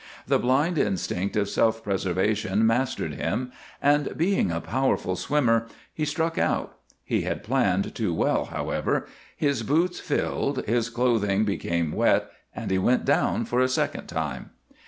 The blind instinct of self preservation mastered him and, being a powerful swimmer, he struck out. He had planned too well, however. His boots filled, his clothing became wet and he went down for a second time.